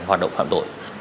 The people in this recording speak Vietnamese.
hoạt động phạm tội